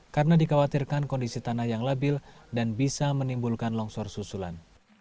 karena dikhawatirkan kondisi tanah yang labil dan bisa menimbulkan longsor susulan